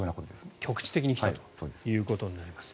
局地的に来たということになります。